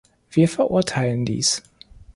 Wir verurteilen dies.